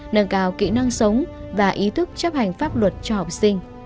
nâng cao kỹ năng sống và ý thức chấp hành pháp luật cho học sinh